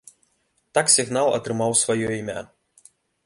Так сігнал атрымаў сваё імя.